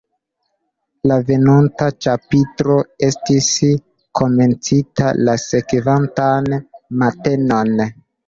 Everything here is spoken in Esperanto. La venonta ĉapitro estis komencita la sekvantan matenon.